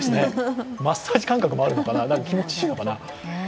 マッサージ感覚もあるのかな気持ちいいのかな。